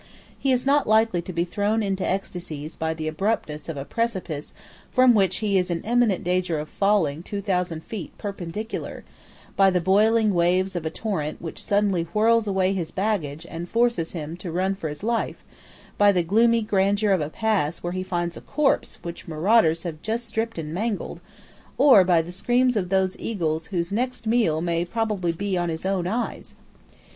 He is not likely to be thrown into ecstasies by the abruptness of a precipice from which he is in imminent danger of falling two thousand feet perpendicular; by the boiling waves of a torrent which suddenly whirls away his baggage and forces him to run for his life; by the gloomy grandeur of a pass where he finds a corpse which marauders have just stripped and mangled; or by the screams of those eagles whose next meal may probably be on his own eyes.